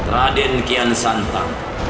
raden kian santang